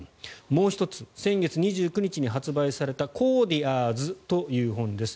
もう１つ先月２９日に発売された「コーティアーズ」という本です。